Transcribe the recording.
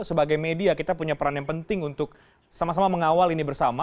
sebagai media kita punya peran yang penting untuk sama sama mengawal ini bersama